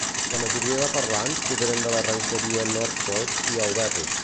La majoria de parlants provenen de la Ranxeria Northfolk i Auberry.